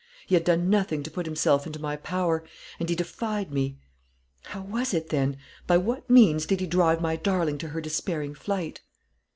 He had done nothing to put himself into my power, and he defied me. How was it, then? By what means did he drive my darling to her despairing flight?"